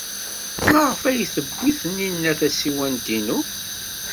Maɣef ay tewwi Taninna tasiwant-inu?